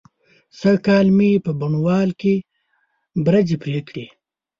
سږکال مې په بڼوال کې برځې پرې کړې.